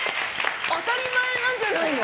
当たり前なんじゃないの？